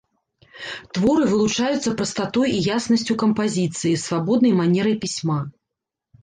Творы вылучаюцца прастатой і яснасцю кампазіцыі, свабоднай манерай пісьма.